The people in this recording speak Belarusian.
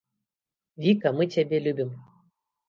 Віка мы цябе любім!